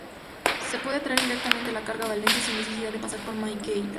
Se puede traer directamente la carga a Valencia sin necesidad de pasar por Maiquetía.